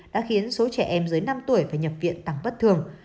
đã khiến số trẻ em dưới năm tuổi phải nhập viện tăng bất thường